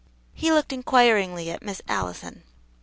He looked inquiringly at Miss Allison.